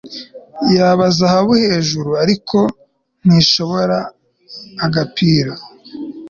yaba zahabuhejuru ariko ntishobora agapira